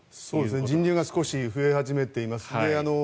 人流が少し増え始めています。